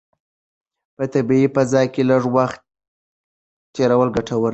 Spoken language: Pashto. په طبیعي فضا کې لږ وخت تېرول ګټور دي.